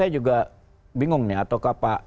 saya juga bingung nih ataukah pak